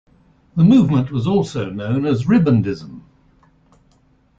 The movement was also known as Ribandism.